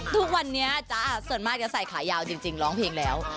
ทุกวันนี้จ๊ะส่วนมากจะใส่ขายาวจริงร้องเพลงแล้ว